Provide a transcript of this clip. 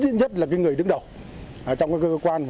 nhất là người đứng đầu trong các cơ quan